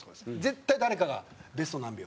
絶対誰かが「ベスト何秒？」